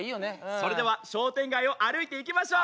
それでは商店街を歩いていきましょう。